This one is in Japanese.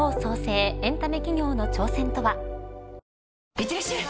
いってらっしゃい！